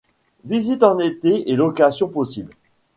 Visite en été et location possible.